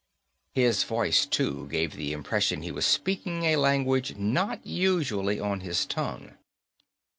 His voice too gave the impression he was speaking a language not usually on his tongue.